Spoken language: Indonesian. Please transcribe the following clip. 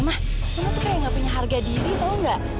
mama kamu tuh kayak gak punya harga diri tau gak